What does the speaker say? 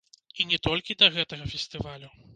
І не толькі да гэтага фестывалю.